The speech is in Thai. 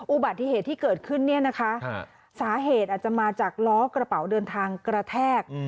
อุบัติเหตุที่เกิดขึ้นเนี่ยนะคะสาเหตุอาจจะมาจากล้อกระเป๋าเดินทางกระแทก